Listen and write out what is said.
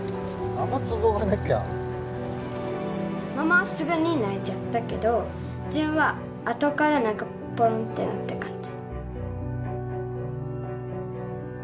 ママはすぐに泣いちゃったけど旬はあとからなんかポロンってなった感じ